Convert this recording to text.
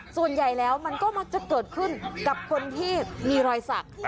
ส่วนใหญ่แล้วมันก็มักจะเกิดขึ้นกับคนที่มีรอยสัก